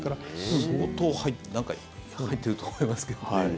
相当入ってると思いますけどね。